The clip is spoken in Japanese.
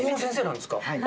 はい。